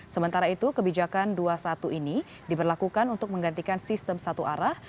sementara itu kebijakan dua puluh satu ini diberlakukan untuk menggantikan sistem satu arah